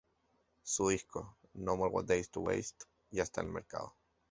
Su disco "No more days to waste" ya está en el mercado.